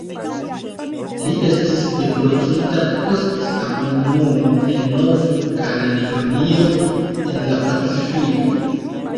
Li estis deportita post la Komunumo en Nov-Kaledonio en la Pacifiko.